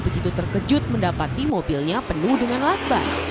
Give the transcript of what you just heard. begitu terkejut mendapati mobilnya penuh dengan latbah